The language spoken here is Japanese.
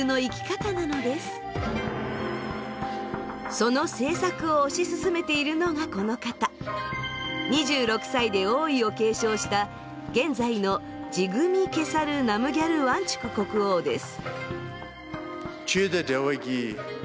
その政策を推し進めているのがこの方２６歳で王位を継承した現在のジグミ・ケサル・ナムギャル・ワンチュク国王です。